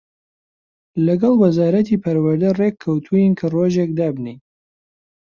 لەگەڵ وەزارەتی پەروەردە ڕێک کەوتووین کە ڕۆژێک دابنێین